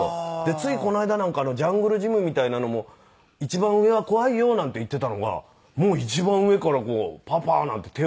ついこの間なんかジャングルジムみたいなのも「一番上は怖いよ」なんて言ってたのがもう一番上から「パパ」なんて手を振るようになっちゃって。